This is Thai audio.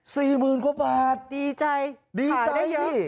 สี่หมื่นพกบาทดีใจดีใจแบบนี้